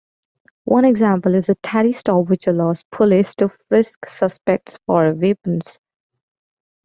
One example is the Terry stop, which allows police to frisk suspects for weapons.